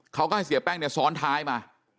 เขาก็ให้เสียแป้งเนี่ยซ้อนท้ายมา